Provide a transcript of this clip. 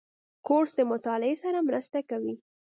کورس د مطالعې سره مرسته کوي.